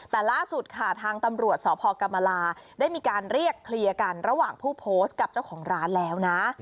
แต่ล่าสุดค่ะทางตำรวจสพกรรมลาได้มีการเรียกเคลียร์กันระหว่างผู้โพสต์กับเจ้าของร้านแล้วนะ